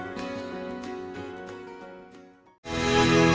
lalu dia nyaman